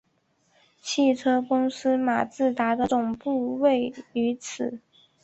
汽车公司马自达的总部位于此。